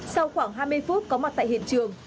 sau khoảng hai mươi phút có mặt tại hiện trường